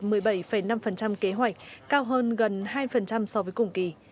giải ngân vốn đầu tư công đạt một mươi bảy năm kế hoạch cao hơn gần hai so với cùng kỳ